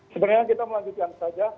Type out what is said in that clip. sebenarnya kita melanjutkan saja